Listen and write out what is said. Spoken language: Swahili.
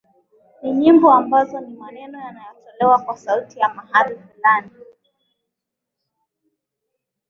ni nyimbo ambazo ni maneno yanayotolewa kwa sauti na mahadhi fulani